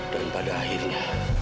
dan pada akhirnya